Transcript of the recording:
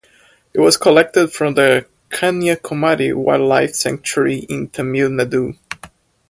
It was collected from the Kanyakumari Wildlife Sanctuary in Tamil Nadu.